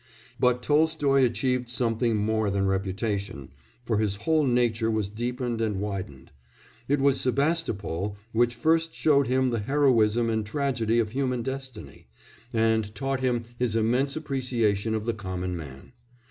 But Tolstoy achieved something more than reputation, for his whole nature was deepened and widened; it was Sebastopol which first showed him the heroism and tragedy of human destiny, and taught him his immense appreciation of the common man.